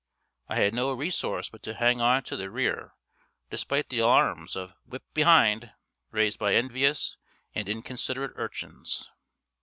I had no resource but to hang on to the rear, despite the alarums of "whip behind," raised by envious and inconsiderate urchins.